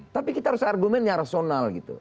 tapi kita harus argumen yang rasional gitu